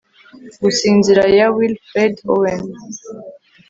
Gusinzira ya Wilfred Owen